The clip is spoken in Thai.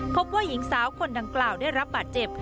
พบว่าหญิงสาวคนดังกล่าวได้รับบาดเจ็บ